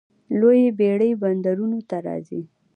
لویې بیړۍ بندرونو ته راځي.